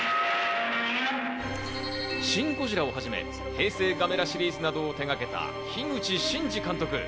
『シン・ゴジラ』をはじめ、平成ガメラシリーズなどを手がけた樋口真嗣監督。